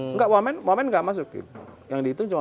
enggak wamen gak masuk yang dihitung cuma